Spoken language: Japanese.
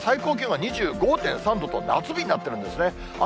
そこから最高気温が２５．３度と夏日になってるんですね。